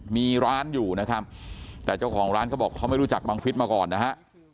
มีร้านอยู่นะครับแต่เจ้าของร้านเขาบอกเขาไม่รู้จักบังฟิศมาก่อนนะฮะ